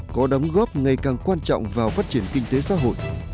có đóng góp ngày càng quan trọng vào phát triển kinh tế xã hội